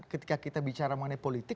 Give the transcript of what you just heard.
ketika kita bicara mengenai politik